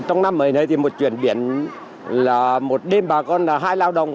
trong năm mới này thì một chuyến biển là một đêm bà con là hai lao đồng